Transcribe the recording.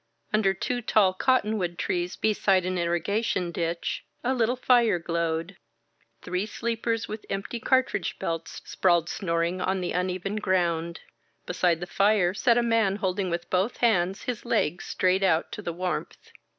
Under two tall cotton wood trees beside an ir rigation ditch a little fire glowed. Three sleepers with empty cartridge belts sprawled snoring on the uneven ground; beside the fire sat a man holding with both hands his leg straight out to the warmth.